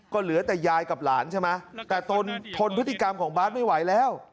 ก็เหลือแต่ยายกับหลานใช่ไหมแต่ตนทนพฤติกรรมของบาร์ดไม่ไหวแล้ว